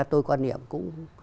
tôi quan niệm cũng